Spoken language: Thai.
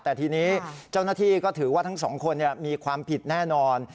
แต่ทีนี้เจ้าหน้าที่ก็ถือว่าทั้งสองคนมีความผิดแน่นอน